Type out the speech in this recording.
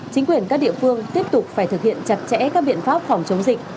chính quyền các địa phương tiếp tục phải thực hiện chặt chẽ các biện pháp phòng chống dịch